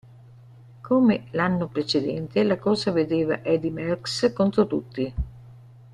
Come l'anno precedente la corsa vedeva Eddy Merckx contro tutti.